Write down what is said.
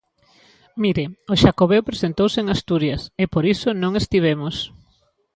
Mire, o Xacobeo presentouse en Asturias, e por iso non estivemos.